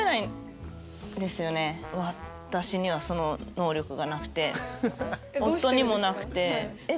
私にはその能力がなくて夫にもなくて。